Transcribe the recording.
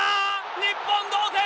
日本、同点。